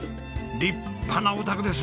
立派なお宅ですね！